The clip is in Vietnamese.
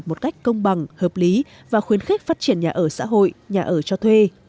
một cách công bằng hợp lý và khuyến khích phát triển nhà ở xã hội nhà ở cho thuê